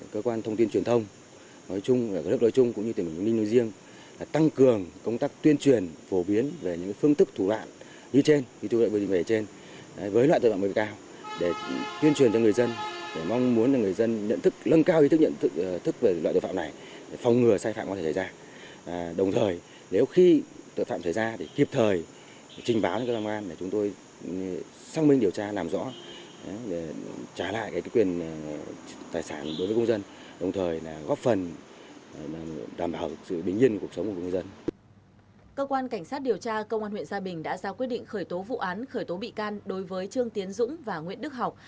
cơ quan cảnh sát điều tra công an huyện gia bình đã ra quyết định khởi tố vụ án khởi tố bị can đối với trương tiến dũng và nguyễn đức học